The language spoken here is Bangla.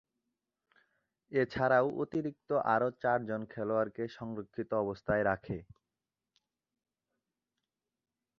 এছাড়াও অতিরিক্ত আরও চারজন খেলোয়াড়কে সংরক্ষিত অবস্থায় রাখে।